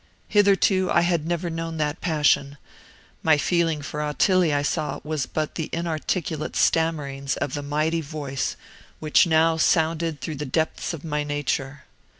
Hitherto I had never known that passion. My feeling for Ottilie I saw was but the inarticulate stammerings of the mighty voice which now sounded throught the depths of my nature.